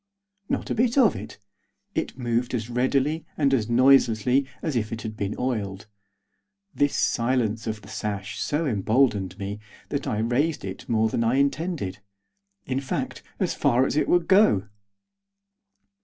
Not a bit of it. It moved as readily and as noiselessly as if it had been oiled. This silence of the sash so emboldened me that I raised it more than I intended. In fact, as far as it would go.